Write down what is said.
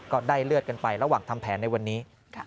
ก็ได้เลือดกันไประหว่างทำแผนในวันนี้